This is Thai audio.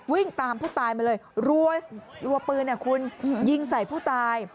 วิ่งตามผู้ตายมาเลยรัวปืนคุณยิงใส่ผู้ตาย